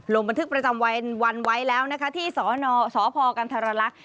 ลงบันทึกประจำวันไว้แล้วนะคะที่สพกันธรรลักษณ์